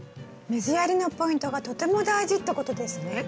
水やりのポイントがとても大事ってことですね。